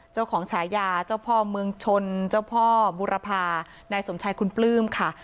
ฉายาเจ้าพ่อเมืองชนเจ้าพ่อบุรพานายสมชายคุณปลื้มค่ะ